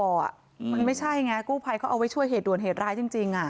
มันไม่ใช่ไงกู้ภัยเขาเอาไว้ช่วยเหตุด่วนเหตุร้ายจริง